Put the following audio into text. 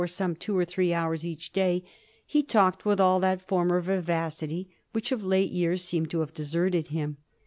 some two or three hoars each day — he talked with all that former vivacity which of late years seemed to have deserted him.